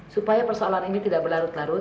supaya persoalan ini tidak berlarut larut